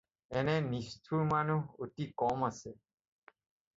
এনে নিষ্ঠুৰ মানুহ অতি কম আছে।